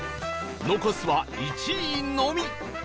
残すは１位のみ！